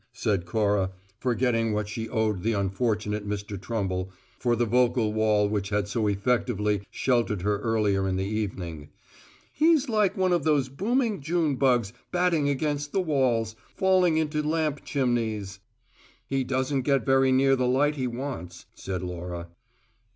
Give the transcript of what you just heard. said Cora, forgetting what she owed the unfortunate Mr. Trumble for the vocal wall which had so effectively sheltered her earlier in the evening. "He's like one of those booming June bugs, batting against the walls, falling into lamp chimneys " "He doesn't get very near the light he wants," said Laura.